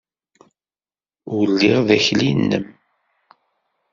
Ur lliɣ d akli-nnem!